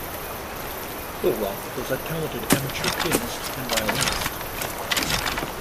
Billroth was a talented amateur pianist and violinist.